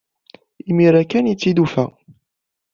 Imir-a kan ay t-id-tufa.